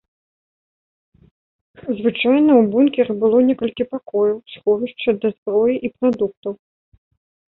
Звычайна, у бункеры было некалькі пакояў, сховішча для зброі і прадуктаў.